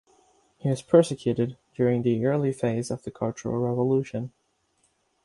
He was persecuted during the early phase of the Cultural Revolution.